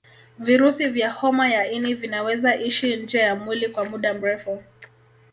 Virusi vya homa ya ini vinaweza ishi nje ya mwili kwa muda mrefu